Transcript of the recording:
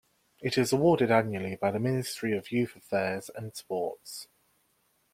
It is awarded annually by the Ministry of Youth Affairs and Sports.